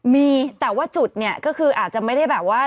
มีแต่ว่าจุดเนี่ยก็คืออาจจะไม่ได้แบบว่า